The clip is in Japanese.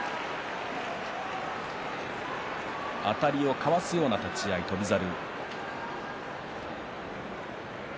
あたりをかわすような立ち合い翔猿。